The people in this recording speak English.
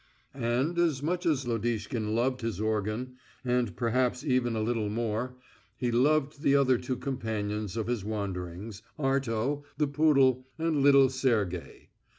And as much as Lodishkin loved his organ, and perhaps even a little more, he loved the other two companions of his wanderings, Arto, the poodle, and little Sergey.